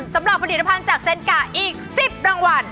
สำหรับผลิตภัณฑ์จากเซนกาอีก๑๐รางวัล